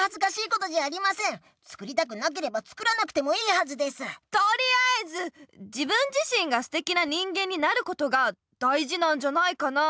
とりあえず自分自身がすてきな人間になることが大事なんじゃないかなあ。